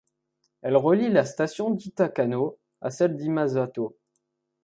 Elle relie la station d'Itakano à celle d'Imazato.